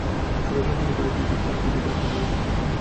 স্বরযন্ত্রের উপরে একটি জিহ্বা আকৃতির ঢাকনা রয়েছে।